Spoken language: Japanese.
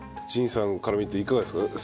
神さんから見ていかがですか？